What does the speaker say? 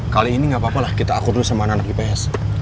kali ini gak apa apalah kita akur dulu sama anak ips